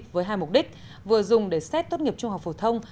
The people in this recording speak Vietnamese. với hai mục đích vừa dùng để xét tốt nghiệp trung học phổ thông